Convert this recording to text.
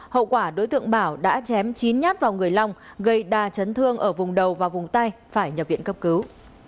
hậu quả đối tượng bảo đã chém chín nhát vào người long gây đa chấn thương ở vùng đầu và vùng tay phải nhập viện cấp cứu